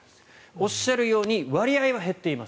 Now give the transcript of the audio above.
おっしゃるように割合は減っています。